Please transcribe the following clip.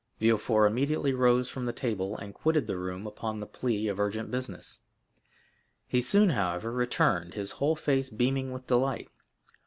Villefort immediately rose from table and quitted the room upon the plea of urgent business; he soon, however, returned, his whole face beaming with delight.